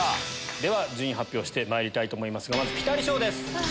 では順位発表してまいりたいと思いますがまずピタリ賞です。